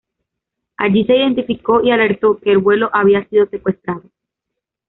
Allí se identificó y alertó que el vuelo había sido secuestrado.